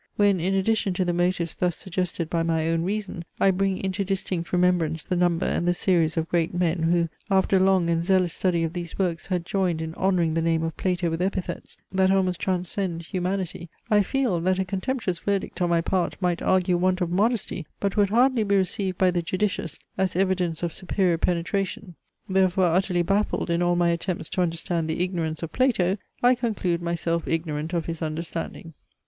When in addition to the motives thus suggested by my own reason, I bring into distinct remembrance the number and the series of great men, who, after long and zealous study of these works had joined in honouring the name of Plato with epithets, that almost transcend humanity, I feel, that a contemptuous verdict on my part might argue want of modesty, but would hardly be received by the judicious, as evidence of superior penetration. Therefore, utterly baffled in all my attempts to understand the ignorance of Plato, I conclude myself ignorant of his understanding.